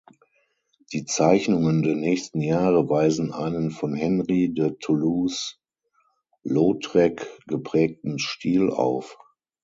Die Zeichnungen der nächsten Jahre weisen einen von Henri de Toulouse-Lautrec geprägten Stil auf.